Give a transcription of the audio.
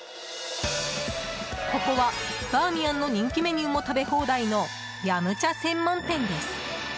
ここは、バーミヤンの人気メニューも食べ放題の飲茶専門店です。